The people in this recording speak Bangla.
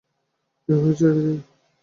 কী, হয়েছে কী?